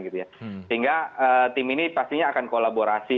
sehingga tim ini pastinya akan kolaborasi